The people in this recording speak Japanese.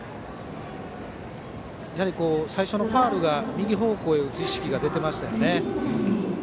やはり最初のファウルで右方向に打つ意識が出ていましたね。